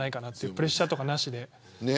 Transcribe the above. プレッシャーとかなしで。